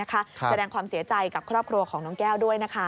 แสดงความเสียใจกับครอบครัวของน้องแก้วด้วย